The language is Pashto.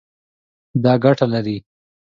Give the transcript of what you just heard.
دا ګټه لري